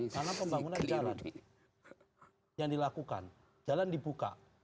karena pembangunan jalan yang dilakukan jalan dibuka